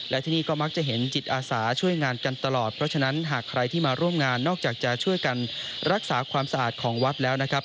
และที่นี่ก็มักจะเห็นจิตอาสาช่วยงานกันตลอดเพราะฉะนั้นหากใครที่มาร่วมงานนอกจากจะช่วยกันรักษาความสะอาดของวัดแล้วนะครับ